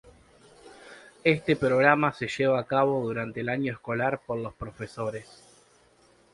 Este programa se lleva a cabo durante el año escolar por los profesores.